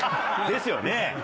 ですよね。